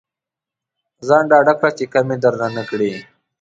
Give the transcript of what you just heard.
ځان ډاډه کړه چې کمې درنه نه کړي.